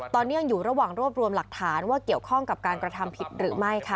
ตอนนี้ยังอยู่ระหว่างรวบรวมหลักฐานว่าเกี่ยวข้องกับการกระทำผิดหรือไม่ค่ะ